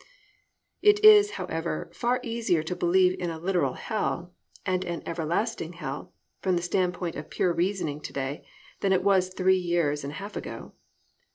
It is, however, far easier to believe in a literal hell, and an everlasting hell, from the standpoint of pure reasoning to day than it was three years and a half ago.